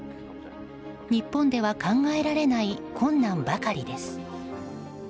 日本では考えられない困難ばかりです。